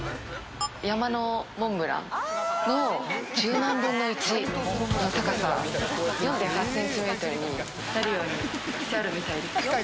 山のモンブランの１０万分の１の高さ、４．８ｃｍになるようにしてあるみたいです。